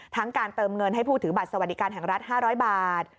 การเติมเงินให้ผู้ถือบัตรสวัสดิการแห่งรัฐ๕๐๐บาท